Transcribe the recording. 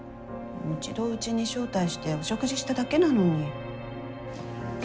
一度うちに招待してお食事しただけなのに。